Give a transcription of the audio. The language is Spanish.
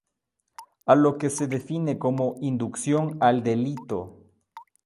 a lo que se define como inducción al delito